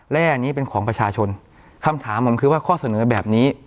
และอันนี้เป็นของประชาชนคำถามผมคือว่าข้อเสนอแบบนี้